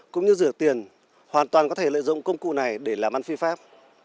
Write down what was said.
cũng như rửa tiền hoàn toàn có thể lợi dụng công cụ này để làm ăn phi pháp